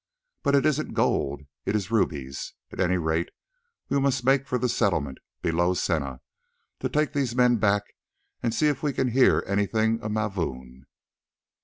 But it isn't gold, it is rubies. At any rate we must make for the Settlement below Sena, to take these men back and see if we can hear anything of Mavoom."